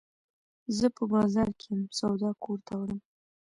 زه په بازار کي یم، سودا کور ته وړم.